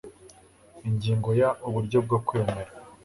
Ingingo ya Uburyo bwo kwemerera